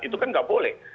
itu kan gak boleh